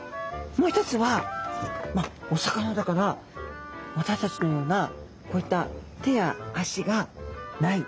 もう一つはまあお魚だから私たちのようなこういった手や足がない。